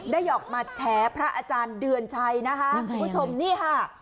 ได้ออกมาแฉพระอาจารย์เดือนชัยนะคะคุณผู้ชมนี่ค่ะ